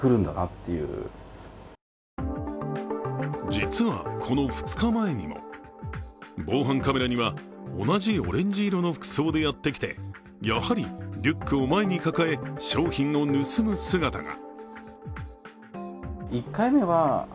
実はこの２日前にも防犯カメラには同じオレンジ色の服装でやってきて、やはりリュックを前に抱え商品を盗む姿が。